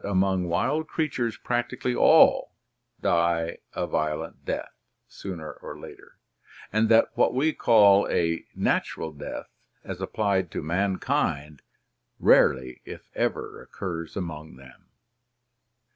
among wild crea tures practically all die a violent death sooner or later, and that what we call a "natural death" as applied to mankind rarely if ever occurs among them.